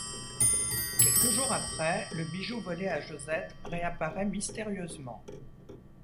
Quelques jours après le bijou volé à Josette réapparait mystérieusement.